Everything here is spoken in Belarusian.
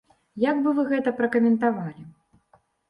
Як бы вы гэта пракаментавалі?